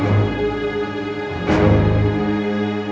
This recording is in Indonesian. putri kecil gak mungkin kasar seperti itu